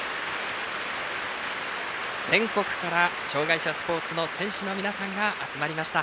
全国から障害者スポーツの選手の皆さんが集まりました。